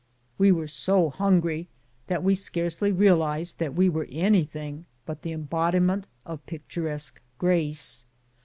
We were so hungry we scarcely realized that we were anything but the embodiment of picturesque grace.